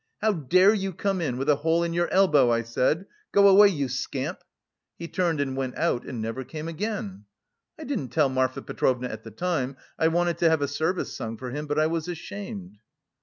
'How dare you come in with a hole in your elbow?' I said. 'Go away, you scamp!' He turned and went out, and never came again. I didn't tell Marfa Petrovna at the time. I wanted to have a service sung for him, but I was ashamed."